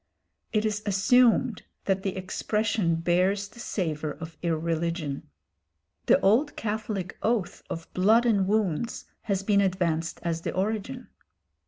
It is assumed that the expression bears the savour of irreligion. The old Catholic oath of "blood and wounds" has been advanced as the origin.